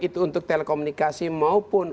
itu untuk telekomunikasi maupun